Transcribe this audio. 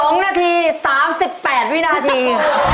๒นาที๓๘วินาที